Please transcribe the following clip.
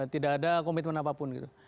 tidak ada komitmen apapun gitu